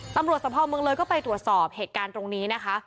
ตำรวจสภาพเมืองเลยก็ไปตรวจสอบเหตุการณ์ตรงนี้นะคะ